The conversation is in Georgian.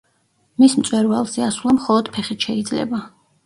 მის მწვერვალზე ასვლა მხოლოდ ფეხით შეიძლება.